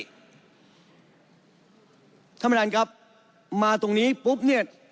ท่านประธานครับมาตรงนี้ปุ๊บเนี่ย